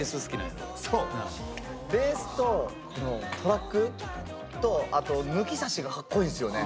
ベースとトラックとあと抜き差しがかっこいいんですよね。